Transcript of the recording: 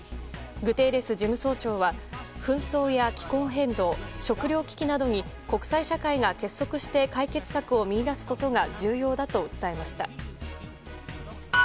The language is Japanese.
グテーレス事務総長は紛争や気候変動食糧危機などに国際社会が結束して解決策を見いだすことが重要だと訴えました。